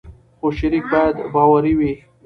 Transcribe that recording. خو شریک باید باوري وي.